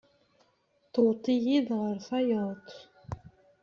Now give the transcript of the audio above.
Twet-iyi-d ɣer tayet.